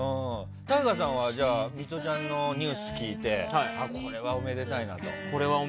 ＴＡＩＧＡさんはミトちゃんのニュースを聞いてこれはおめでたいなと。